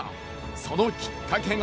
そのきっかけが。